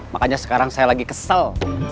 makanya sekarang saya lagi kesel